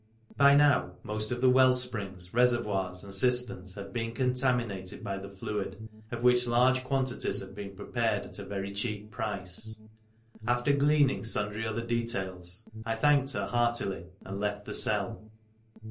By now most of the well springs, reservoirs, and cisterns had been con THE EPISODE OF THE BABY 17 taminated by the fluid, of which large quantities had been prepared at a very cheap price. After gleaning sundry other details, I thanked her heartily and left the cell.